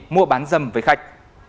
mua bán dâm với khách